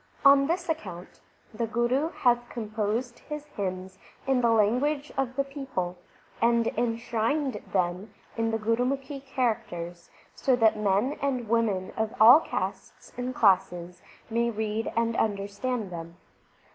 On this account the Guru hath composed his hymns in the language of the people, and enshrined them in the Gurumukhi characters, so that men and women of all castes and classes may read and understand them.